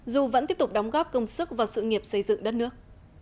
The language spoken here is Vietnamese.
dù vẫn tiếp tục đóng góp công sức vào sự nghiệp xây dựng đất nước